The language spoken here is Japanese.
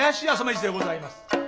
二でございます。